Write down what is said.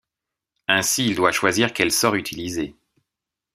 Ainsi il doit choisir quels sorts utiliser.